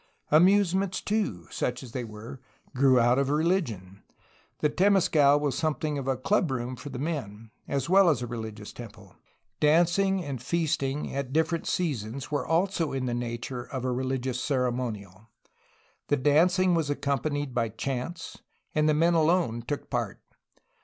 Amusements, too, such as they were, grew out of religion. The temescal was something of a club room for the men, as well as a religious temple. Dancing and feasting at different seasons were also in the nature of a religious ceremonial. The dancing was accompanied by chants, and the men alone took part.